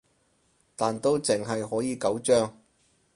但都淨係可以九張